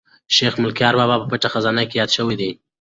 شیخ ملکیار بابا په پټه خزانه کې یاد شوی دی.